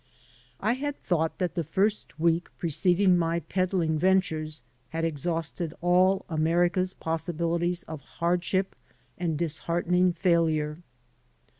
I had thought that that first week preceding my peddling ventures had exhausted all America's possibili ties of hardship and disheartening failure.